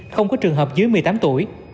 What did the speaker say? không có trường hợp dưới một mươi tám tuổi